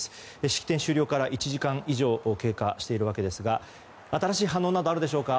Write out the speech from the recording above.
式典終了から１時間以上が経過しているわけですが新しい反応などあるでしょうか。